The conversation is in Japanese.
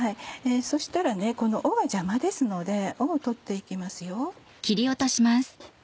そしたらこの尾が邪魔ですので尾を取って行きます。